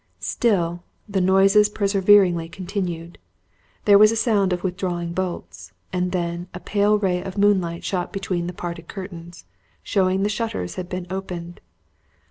Still the noises perseveringly continued; there was the sound of withdrawing bolts, and then a pale ray of moonlight shot between the parted curtains, shoving the shutters had been opened.